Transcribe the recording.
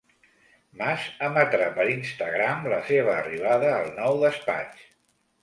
Mas emetrà per Instagram la seva arribada al nou despatx